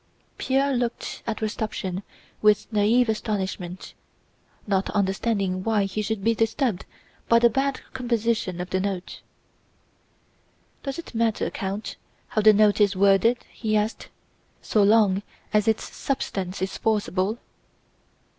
Pierre looked at Rostopchín with naïve astonishment, not understanding why he should be disturbed by the bad composition of the Note. "Does it matter, Count, how the Note is worded," he asked, "so long as its substance is forcible?"